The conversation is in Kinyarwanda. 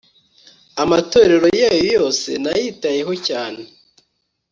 amategeko yayo yose nayitayeho cyane